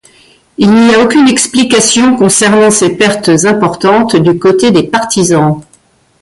Il n'y a aucune explication concernant ces pertes importantes du côté des partisans.